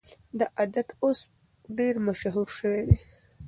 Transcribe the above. دا عادت اوس ډېر مشهور شوی دی.